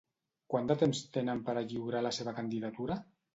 Quant de temps tenen per a lliurar la seva candidatura?